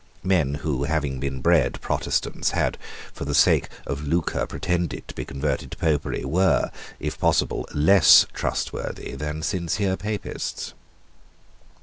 Men who, having been bred Protestants, had for the sake of lucre pretended to be converted to Popery, were, if possible, less trustworthy than sincere Papists.